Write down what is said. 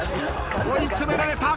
［追い詰められた］